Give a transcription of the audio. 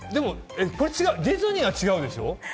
ディズニーは違うでしょ？